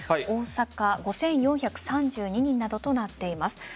大阪、５４３２人などとなっています。